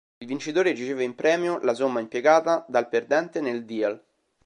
Il vincitore riceve in premio la somma impiegata dal perdente nel Deal.